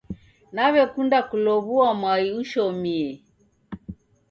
Naw'ekunda kulow'ua mwai ushomie.